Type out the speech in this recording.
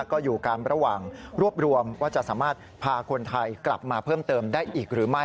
ก็อยู่กันระหว่างรวบรวมว่าจะสามารถพาคนไทยกลับมาเพิ่มเติมได้อีกหรือไม่